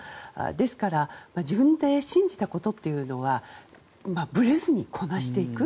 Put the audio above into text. ですから自分で信じたことというのはぶれずにこなしていく。